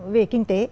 về kinh tế